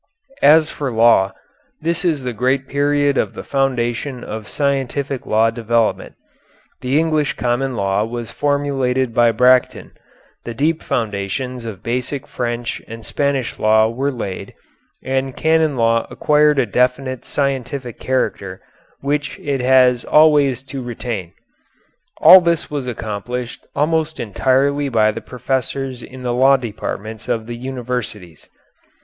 As for law, this is the great period of the foundation of scientific law development; the English common law was formulated by Bracton, the deep foundations of basic French and Spanish law were laid, and canon law acquired a definite scientific character which it was always to retain. All this was accomplished almost entirely by the professors in the law departments of the universities.